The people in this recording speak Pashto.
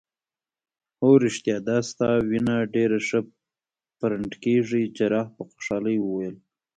هو ریښتیا دا ستا وینه ډیره ښه پرنډ کیږي. جراح په خوشحالۍ وویل.